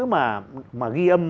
mà ghi âm